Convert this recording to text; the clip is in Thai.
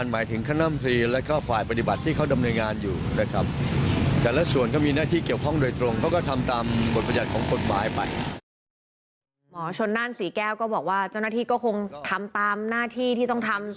หมอชนนั่นศรีแก้วก็บอกว่าเจ้าหน้าที่ก็คงทำตามหน้าที่ที่ต้องทำ